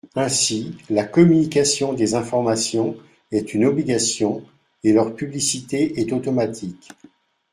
Ainsi, la communication des informations est une obligation, et leur publicité est automatique.